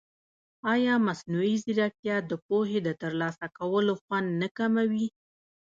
ایا مصنوعي ځیرکتیا د پوهې د ترلاسه کولو خوند نه کموي؟